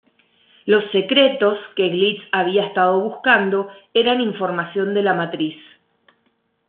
Los "secretos" que Glitz había estado buscando eran información de la Matriz.